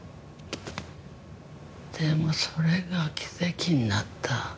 でもそれが奇跡になった。